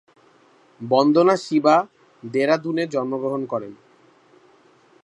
বন্দনা শিবা দেরাদুনে জন্মগ্রহণ করেন।